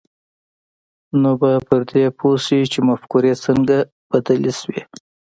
نو به پر دې پوه شئ چې مفکورې څنګه بدلې شوې